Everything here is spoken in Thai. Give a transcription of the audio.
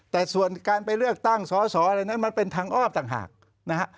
แต่ส่วนการไปเลือกตั้งสอสออะไรนั้นมันเป็นทางอ้อมต่างหากนะฮะ